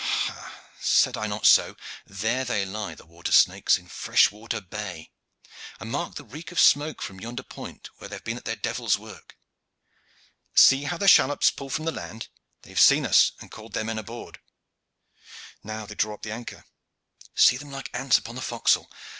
"Ha, said I not so? There they lie, the water snakes, in Freshwater Bay; and mark the reek of smoke from yonder point, where they have been at their devil's work. See how their shallops pull from the land! They have seen us and called their men aboard. Now they draw upon the anchor. See them like ants upon the forecastle!